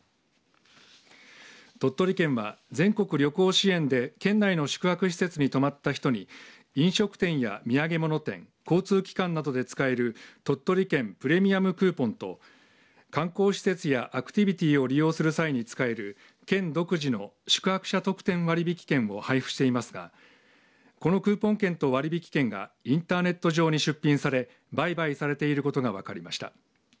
鳥取県は全国旅行支援で県内の宿泊施設に泊まった人に飲食店や土産物店交通機関などで使える鳥取県プレミアムクーポンと観光施設やアクティビティを利用する際に使える県独自の宿泊者特典割引券を配布していますがこのクーポン券と割引券がインターネット上に出品され売買されていることが分かりました。